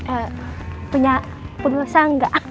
eh punya pulsa enggak